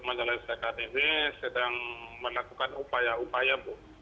menjelaskan ini sedang melakukan upaya upaya